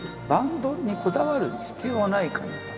バンドにこだわる必要はないかな。